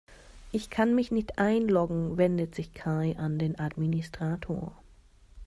Ich kann mich nicht einloggen, wendet sich Kai an den Administrator.